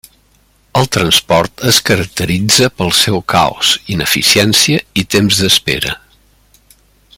El transport es caracteritza pel seu caos, ineficiència i temps d'espera.